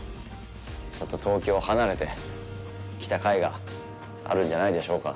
ちょっと東京を離れて来たかいがあるんじゃないでしょうか。